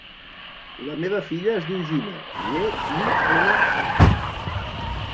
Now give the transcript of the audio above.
La meva filla es diu Gina: ge, i, ena, a.